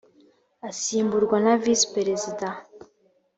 asimburwa na visi perezida